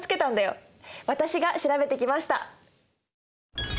私が調べてきました！